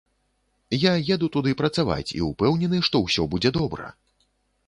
Я еду туды працаваць і ўпэўнены, што ўсё будзе добра!